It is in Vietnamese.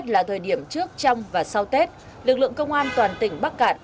là thời điểm trước trong và sau tết lực lượng công an toàn tỉnh bắc cạn